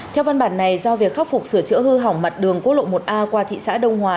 theo văn bản này do việc khắc phục sửa chữa hư hỏng mặt đường quốc lộ một a qua thị xã đông hòa